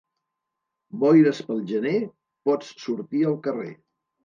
Boires pel gener, pots sortir al carrer.